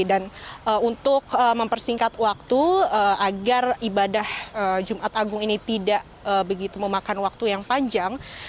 dan untuk mempersingkat waktu agar ibadah jumat agung ini tidak begitu memakan waktu yang panjang